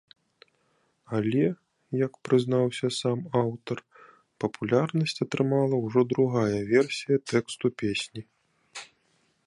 Але, як прызнаўся сам аўтар, папулярнасць атрымала ўжо другая версія тэксту песні.